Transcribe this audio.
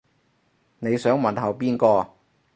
你想問候邊個